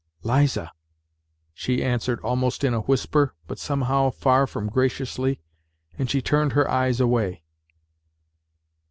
" Liza," she answered almost in a whisper, but somehow far from graciously, and she turned her eyes away.